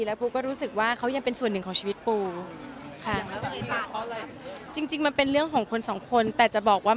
แล้วปูก็รู้สึกว่าเขายังเป็นส่วนหนึ่งของชีวิตปูค่ะ